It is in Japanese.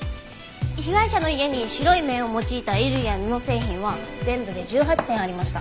被害者の家に白い綿を用いた衣類や布製品は全部で１８点ありました。